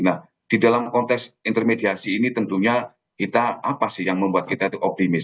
nah di dalam konteks intermediasi ini tentunya kita apa sih yang membuat kita optimis